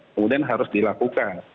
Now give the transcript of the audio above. kemudian harus dilakukan